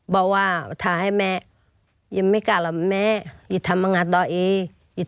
บอกว่าถามให้แม่ไม่กลัวหรอกแม่จะทำงานต่ออีก